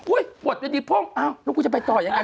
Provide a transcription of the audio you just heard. อุ๊ยปวดไปดีโพ้งอ้าวลูกกูจะไปต่อยังไง